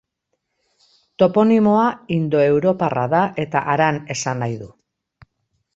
Toponimoa indoeuroparra da eta haran esan nahi du.